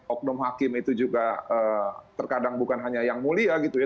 oknum hakim itu juga terkadang bukan hanya yang mulia gitu ya